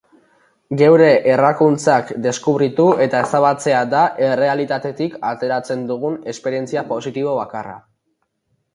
Geure errakuntzak deskubritu eta ezabatzea da errealitatetik ateratzen dugun esperientzia positibo bakarra.